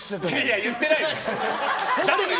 言っていないよ！